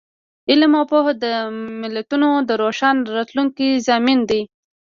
علم او پوهه د ملتونو د روښانه راتلونکي ضامن دی.